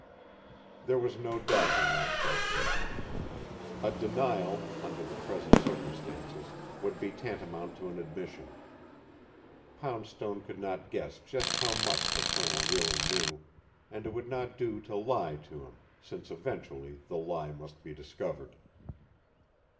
There was no dodging that question. A denial, under the present circumstances, would be tantamount to an admission; Poundstone could not guess just how much the Colonel really knew, and it would not do to lie to him, since eventually the lie must be discovered.